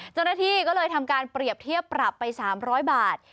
เจ้าหน้าที่ก็เลยทำการเปรียบเทียบปรับไป๓๐๐บาท